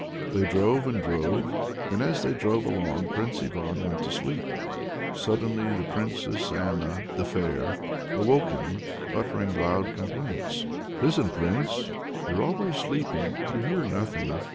They drove and drove, and as they drove along Prince Ivan went to sleep. Suddenly the Princess Anna the Fair awoke him, uttering loud complaints "Listen, Prince, you're always sleeping, you hear nothing!